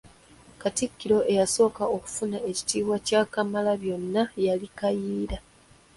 Katikkiro eyasooka okufuna ekitiibwa kya Kamalabyonna yali Kayiira.